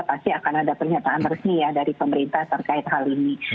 pasti akan ada pernyataan resmi ya dari pemerintah terkait hal ini